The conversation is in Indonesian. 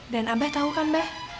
dan abah tau kan mbak